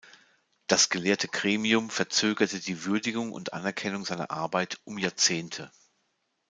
Das gelehrte Gremium verzögerte die Würdigung und Anerkennung seiner Arbeit um Jahrzehnte.